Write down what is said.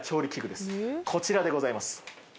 こちらでございます。